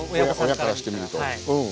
親からしてみるとうん。